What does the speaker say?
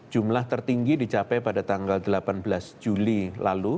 jumlah tertinggi dicapai pada tanggal delapan belas juli lalu